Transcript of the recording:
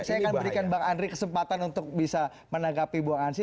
saya akan berikan bang andri kesempatan untuk bisa menanggapi buang ansyi